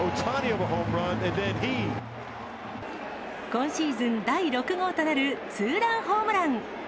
今シーズン第６号となるツーランホームラン。